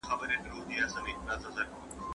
¬پيشي ته دي خداى وزر نه ورکوي، د چوغکو تخم به ورک کړي.